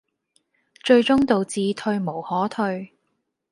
最終導致退無可退